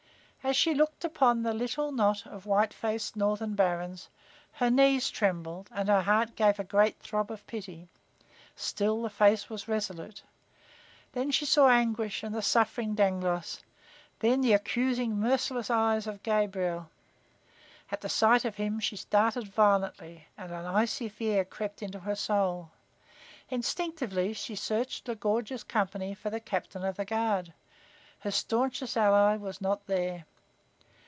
As she looked upon the little knot of white faced northern barons, her knees trembled and her heart gave a great throb of pity. Still the face was resolute. Then she saw Anguish and the suffering Dangloss; then the accusing, merciless eyes of Gabriel. At sight of him she started violently and an icy fear crept into her soul. Instinctively she searched the gorgeous company for the captain of the guard. Her staunchest ally was not there.